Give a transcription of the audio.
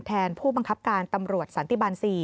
ผู้บังคับการตำรวจสันติบาล๔